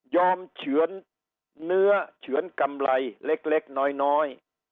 เฉือนเนื้อเฉือนกำไรเล็กน้อย